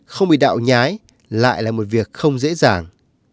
không bị đạo nhái lại là một việc không dễ dàng